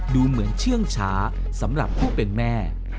ดูเหมือนเชื่องช้าสำหรับผู้เป็นแม่